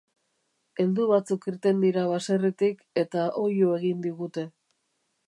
Heldu batzuk irten dira baserritik eta oihu egin digute.